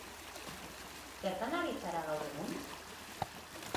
Zertan ari zara gaur egun?